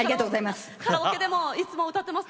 カラオケでもいつも歌っています。